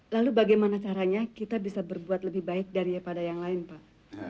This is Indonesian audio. lalu bagaimana caranya kita bisa berbuat lebih baik daripada yang lain pak